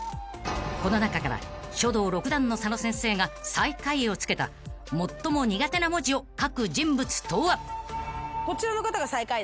［この中から書道６段の佐野先生が最下位をつけた最も苦手な文字を書く人物とは］